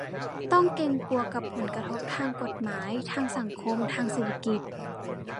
ต้องเกรงกลัวกับผลกระทบทางกฎหมาย ทางสังคม ทางเศรษฐกิจ